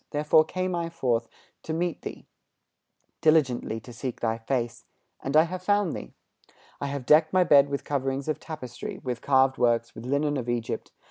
Therefore came I forth to meet thee, Diligently to seek thy face, And I have found thee. I have decked my bed with coverings of tapestry, With carved works, with linen of Egypt.